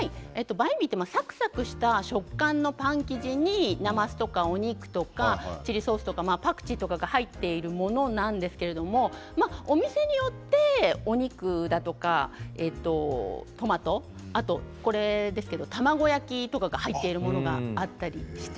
バインミーはサクサクした食感のパン生地になますとかお肉とかチリソースとかパクチーとかが入っているものなんですけれどお店によってお肉だとかトマト、あと卵焼きとかが入っているものがあったりして。